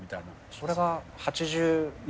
それが８０。